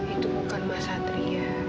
itu bukan mas satri ya